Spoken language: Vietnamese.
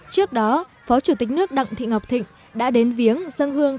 trước đó phó chủ tịch nước đặng thị ngọc thịnh đã đến viếng dân hương